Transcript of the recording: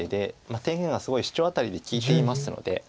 天元がすごいシチョウアタリで利いていますので。